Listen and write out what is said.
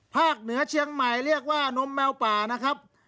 เหนือเชียงใหม่เรียกว่านมแมวป่านะครับ